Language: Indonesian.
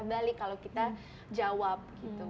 balik kalau kita jawab